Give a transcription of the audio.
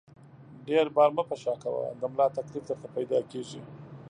ډېر بار مه په شا کوه ، د ملا تکلیف درته پیدا کېږي!